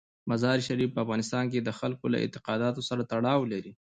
مزارشریف په افغانستان کې د خلکو له اعتقاداتو سره تړاو لري.